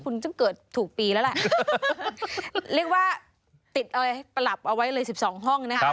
เรียกว่าปรับเอาไว้เลย๑๒ห้องนะคะ